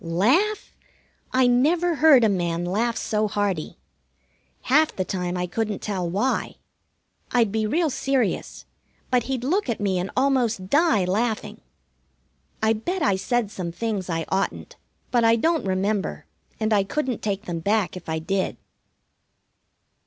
Laugh? I never heard a man laugh so hearty. Half the time I couldn't tell why. I'd be real serious, but he'd look at me and almost die laughing. I bet I said some things I oughtn't, but I don't remember, and I couldn't take them back if I did.